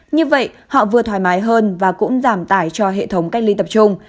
như vậy họ vừa thoải mái hơn và cũng giảm tải cho hệ thống cách ly tập trung